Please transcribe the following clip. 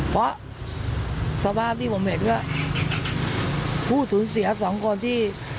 เพราะสภาพที่ผมเห็นว่าผู้สูญเสียสองคนที่